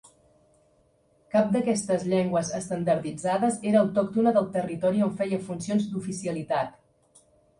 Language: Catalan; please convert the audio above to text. Cap d'aquestes llengües estandarditzades era autòctona del territori on feia funcions d'oficialitat.